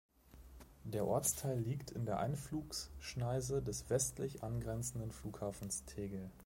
Der Ortsteil liegt in der Einflugschneise des westlich angrenzenden Flughafens Tegel.